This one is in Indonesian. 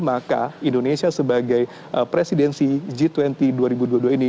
maka indonesia sebagai presidensi g dua puluh dua ribu dua puluh dua ini